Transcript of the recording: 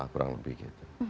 kurang lebih gitu